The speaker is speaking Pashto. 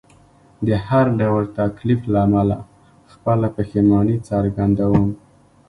د هر ډول تکلیف له امله خپله پښیماني څرګندوم.